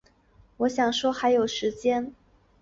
我想说还有时间